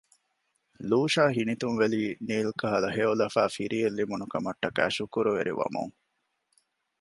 ލޫޝާ ހިނިތުންވެލީ ނީލް ކަހަލަ ހެޔޮލަފާ ފިރިއެއް ލިބުނުކަމަށްޓަކައި ޝުކުރުވެރިވަމުން